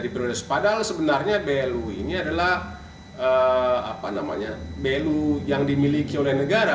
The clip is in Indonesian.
padahal sebenarnya blu ini adalah blue yang dimiliki oleh negara